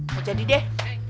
mau jadi deh